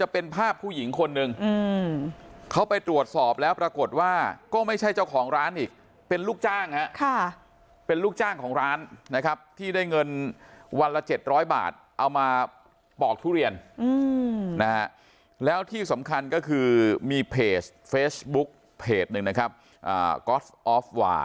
เป็นลูกจ้างค่ะเป็นลูกจ้างของร้านที่ได้เงินวันละเจ็ดร้อยบาทเอามาปอกทุเรียนนะครับแล้วที่สำคัญก็คือมีเพจเฟซบุ๊คโพส์ข้อความบอกว่ามันมีข้อมูลจากคนที่เขาให้ข้อมูลมา